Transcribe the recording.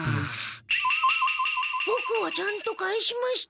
ボクはちゃんと返しました。